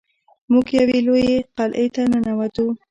موږ یوې لویې قلعې ته ننوتو.